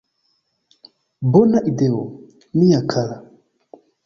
Bona ideo, mia kara!